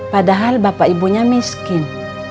padahal bapak ibunya miskin